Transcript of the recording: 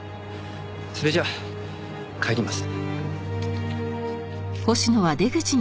それじゃ帰ります。